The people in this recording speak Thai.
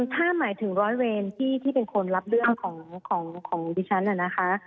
ถ้าหมายถึงร้อยเวรที่เป็นคนรับเรื่องของดิฉันนะคะ